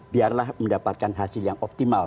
biar lah mendapatkan hasil yang optimal